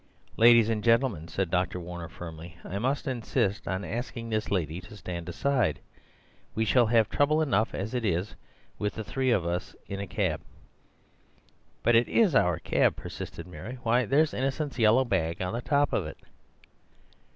"Ladies and gentlemen," said Dr. Warner firmly, "I must insist on asking this lady to stand aside. We shall have trouble enough as it is, with the three of us in a cab." "But it IS our cab," persisted Mary. "Why, there's Innocent's yellow bag on the top of it."